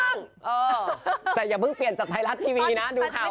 อะแต่อย่าเพิ่งเปลี่ยนจากไทรัสท์ทีวีนะดูข่าวก่อน